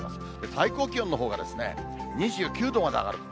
最高気温のほうがですね、２９度まで上がると。